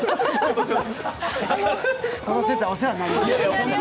その節はお世話になりました。